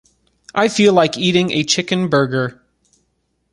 I feel like eating a chicken burger.